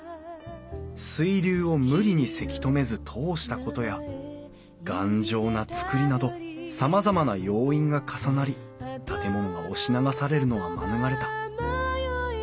水流を無理にせき止めず通したことや頑丈な造りなどさまざまな要因が重なり建物が押し流されるのは免れた。